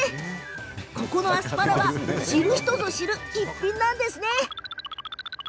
ここのアスパラは知る人ぞ知る逸品なんですね。